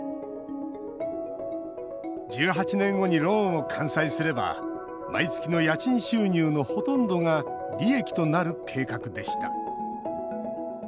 １８年後にローンを完済すれば毎月の家賃収入のほとんどが利益となる計画でした。